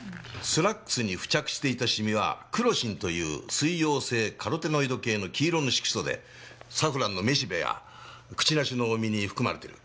スラックスに付着していたシミはクロシンという水溶性カロテノイド系の黄色の色素でサフランのめしべやクチナシの実に含まれてる。